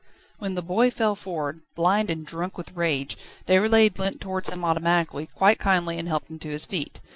When the boy fell forward, blind and drunk with rage, Déroulède leant towards him automatically, quite kindly, and helped him to his feet.